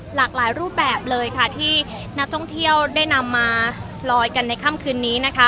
หลากหลายรูปแบบเลยค่ะที่นักท่องเที่ยวได้นำมาลอยกันในค่ำคืนนี้นะคะ